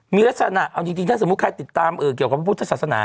มีลักษณะเอาจริงถ้าสมมุติใครติดตามเกี่ยวกับพระพุทธศาสนา